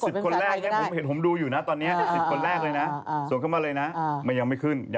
จับสะกดเป็นศาตรายก็ได้ค่ะผมเห็นผมดูอยู่นะตอนนี้สิทธิ์คนแรกเลยนะส่งเข้ามาเลยนะมัยังไม่ขึ้น